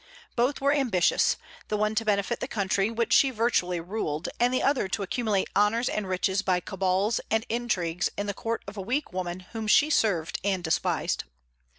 Both were ambitious, the one to benefit the country which she virtually ruled, and the other to accumulate honors and riches by cabals and intrigues in the court of a weak woman whom she served and despised.